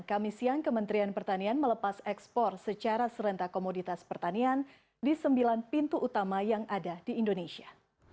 kami siang kementerian pertanian melepas ekspor secara serentak komoditas pertanian di sembilan pintu utama yang ada di indonesia